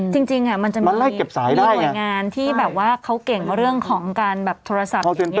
จริงมันจะมีหน่วยงานที่แบบว่าเขาเก่งเรื่องของการแบบโทรศัพท์อย่างนี้